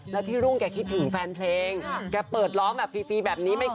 ไม่ได้ตังค์เก็บไข่เหงา